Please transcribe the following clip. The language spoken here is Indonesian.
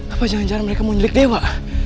apa jangan jangan mereka mau nyelik dewa